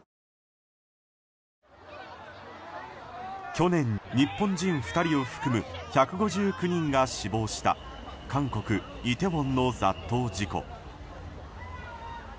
去年、日本人２人を含む１５９人が死亡した韓国イテウォンの雑踏事故。